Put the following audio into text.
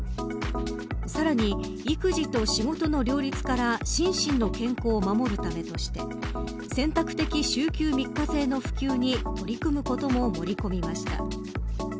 さらに、育児と仕事の両立から心身の健康を守るためとして選択的週休３日制の普及に取り組むことも盛り込みました。